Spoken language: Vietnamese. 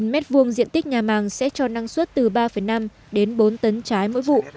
một mươi m hai diện tích nhà màng sẽ cho năng suất từ ba năm đến bốn tấn trái mỗi vụ